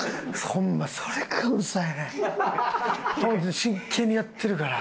ホントに真剣にやってるから。